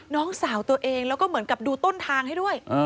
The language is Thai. น้องสาวตัวเองแล้วก็เหมือนกับดูต้นทางให้ด้วย